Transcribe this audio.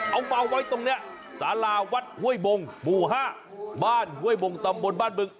เอามาไว้ตรงนี้สาราวัดห้วยบงหมู่๕บ้านห้วยบงตำบลบ้านบึง